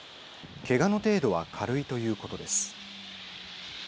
けがの程度は軽いということです。